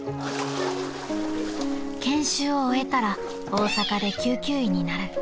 ［研修を終えたら大阪で救急医になる］